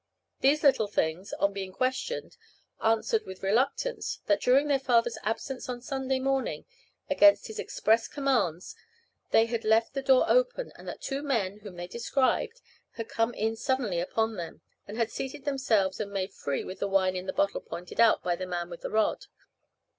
These little things, on being questioned, answered, with reluctance, that during their father's absence on Sunday morning, against his express commands, they had left the door open, and that two men, whom they described, had come in suddenly upon them, and had seated themselves and made free with the wine in the bottle pointed out by the man with the rod.